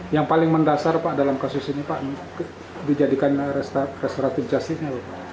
yang paling mendasar pak dalam kasus ini pak dijadikan restoratif justice